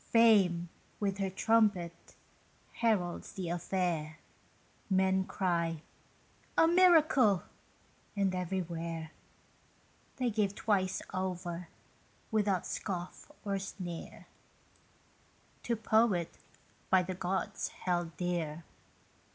Fame, with her trumpet, heralds the affair; Men cry, "A miracle!" and everywhere They give twice over, without scoff or sneer, To poet by the gods held dear.